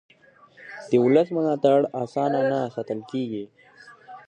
د ولس ملاتړ اسانه نه ساتل کېږي